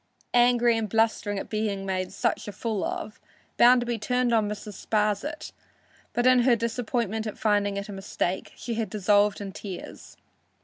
Angry and blustering at being made such a fool of, Bounderby turned on Mrs. Sparsit, but in her disappointment at finding it a mistake, she had dissolved in tears.